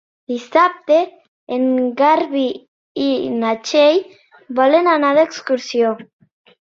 Dissabte en Garbí i na Txell volen anar d'excursió.